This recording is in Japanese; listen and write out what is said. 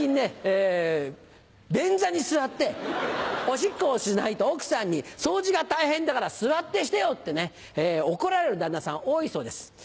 オシッコをしないと奥さんに掃除が大変だから座ってしてよってね怒られる旦那さん多いそうです。